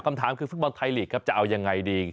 คำถามคือฟุตบอลไทยลีกครับจะเอายังไงดี